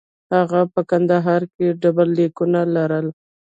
هغه په کندهار کې ډبرلیکونه لرل